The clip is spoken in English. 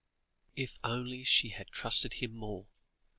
If only she had trusted him more!